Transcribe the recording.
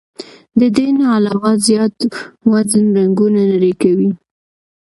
د دې نه علاوه زيات وزن رګونه نري کوي